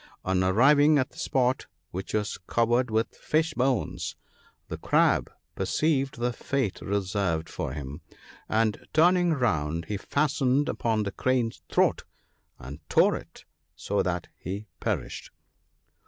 On arriving at the spot, which was covered with fish bones, the Crab perceived the fate reserved for him ; and turning round he fastened upon the Crane's throat and tore it so that he perished."